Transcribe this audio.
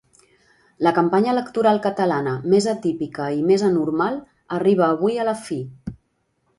La campanya electoral catalana més atípica i més anormal arriba avui a la fi.